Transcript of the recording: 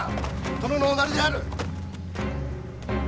殿のおなりである！